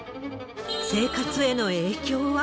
生活への影響は。